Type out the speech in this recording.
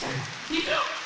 いくよ。